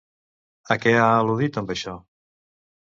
A què ha al·ludit amb això?